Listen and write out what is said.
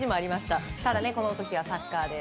ただ、この時はサッカーで。